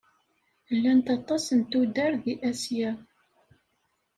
Llant aṭas n tuddar deg Asya.